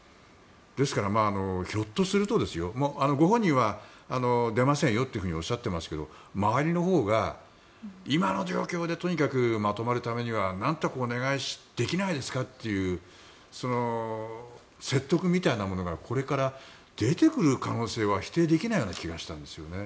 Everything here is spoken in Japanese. ですから、ひょっとするとですよご本人は出ませんよというふうにおっしゃっていますけど周りのほうが今の状況でとにかくまとまるためにはなんとかお願いできないですかという説得みたいなものがこれから出てくる可能性は否定できないような気がしたんですよね。